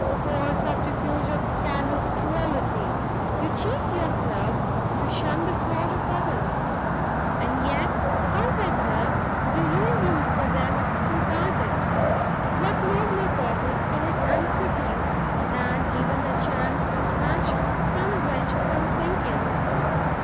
"Poor subterfuge of callous cruelty! you cheat yourselves, to shun the fraud of others! and yet, how better do you use the wealth so guarded? what nobler purpose can it answer to you, than even a chance to snatch some wretch from sinking?